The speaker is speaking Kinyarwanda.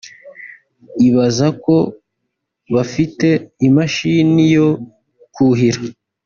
Ibaza ko bafite imashini yo kuhira